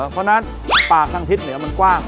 เพราะฉะนั้นปากทางทิศเหนือมันกว้าง